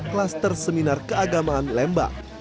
klaster seminar keagamaan lemba